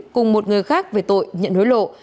cùng một người khác về tội nhận hối lộ